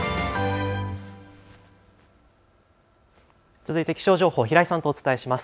続いて気象予報、平井さんとお伝えします。